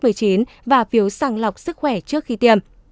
covid một mươi chín và phiếu sàng lọc sức khỏe trước khi tiêm